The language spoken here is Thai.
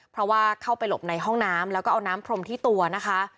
เพราะว่าเข้าไปหลบในห้องน้ำแล้วก็เอาน้ำพรมที่ตัวนะคะ